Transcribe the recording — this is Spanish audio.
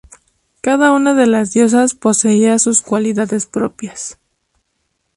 Cada una de las diosas poseía sus cualidades propias.